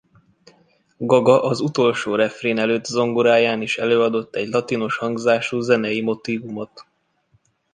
Gaga az utolsó refrén előtt zongoráján is előadott egy latinos hangzású zenei motívumot.